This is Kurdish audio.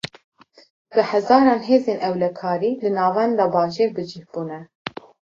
Bi hezaran hêzên ewlekarî, li navenda bajêr bi cih bûne